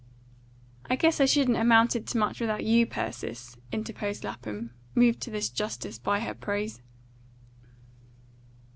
"I guess I shouldn't amounted to much without you, Persis," interposed Lapham, moved to this justice by her praise.